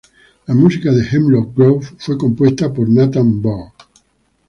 La música de Hemlock Grove fue compuesta por Nathan Barr.